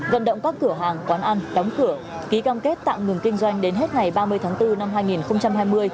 vận động các cửa hàng quán ăn đóng cửa ký cam kết tạm ngừng kinh doanh đến hết ngày ba mươi tháng bốn năm hai nghìn hai mươi